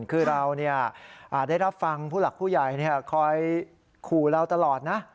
คือเราได้รับฟังผู้หลักผู้ใหญ่คอยขู่เราตลอดนะ